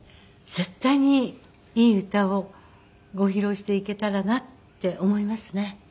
絶対にいい歌をご披露していけたらなって思いますね。